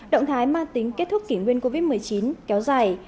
động thái mang tính kết thúc kỷ nguyên covid một mươi chín kéo dài